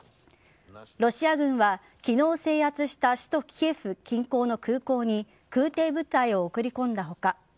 ロシア軍は昨日制圧した首都・キエフ近郊の空港に空挺部隊を送り込んだ他